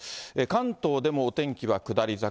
関東でもお天気は下り坂。